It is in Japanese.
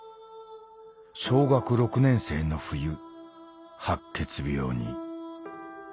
「小学６年生の冬白血病に」